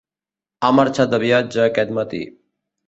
Ha marxat de viatge aquest matí.